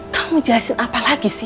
kamu jelasin apa lagi sih